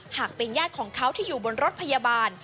หากเป็นญาติของเขาที่อยู่บนรถพยาบาล